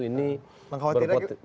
ini berpotensi untuk intervensi